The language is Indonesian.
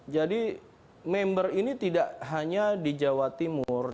jadi member ini tidak hanya di jawa timur